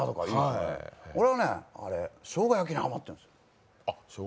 俺はしょうが焼きにハマってるんですよ。